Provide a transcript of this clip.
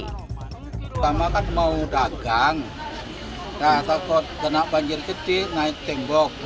pertama kan mau dagang takut kena banjir kecil naik tembok